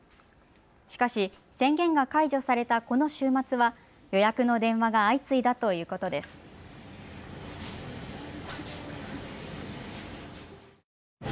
しかし、宣言が解除されたこの週末は予約の電話が相次いだということです。